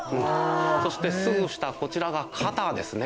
そしてすぐ下こちらが肩ですね。